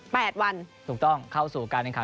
แปดวันถูกต้องเข้าสู่กันเลยค่ะ